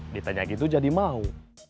ditanya gitu jadi mau